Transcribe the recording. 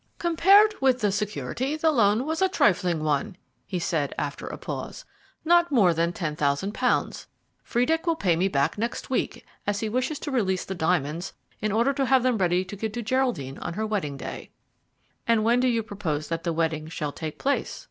"Compared with the security, the loan was a trifling one," he said, after a pause; "not more than £10,000. Friedeck will pay me back next week, as he wishes to release the diamonds in order to have them ready to give to Geraldine on her wedding day." "And when do you propose that the wedding shall take place?"